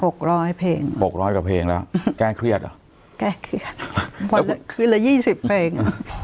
หกร้อยเพลงหกร้อยกว่าเพลงแล้วแก้เครียดอ่ะแก้เครียดคืนละยี่สิบเพลง